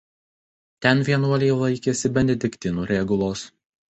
Ten vienuoliai laikėsi Benediktinų regulos.